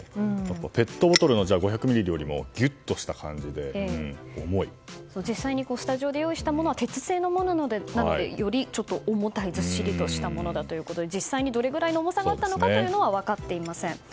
ペットボトルの５００ミリリットルよりも実際にスタジオで用意したものは鉄製のものなのでより重たいずっしりしたものだということで実際にどのくらいの重さがあったのかは分かっていません。